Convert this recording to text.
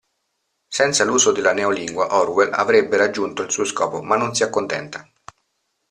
Senza l'uso della Neolingua, Orwell avrebbe raggiunto il suo scopo ma non si accontenta.